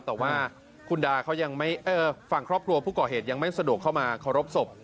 แต่ว่าฝั่งครอบครัวผู้ก่อเหตุยังไม่สะดวกเข้ามาขอรบศพ